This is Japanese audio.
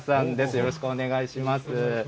よろしくお願いします。